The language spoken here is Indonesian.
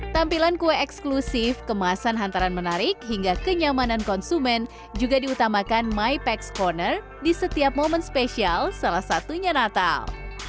tampilan kue eksklusif kemasan hantaran menarik hingga kenyamanan konsumen juga diutamakan mypex corner di setiap momen spesial salah satunya natal